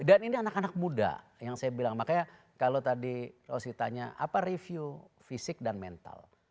dan ini anak anak muda yang saya bilang makanya kalau tadi saya tanya apa review fisik dan mental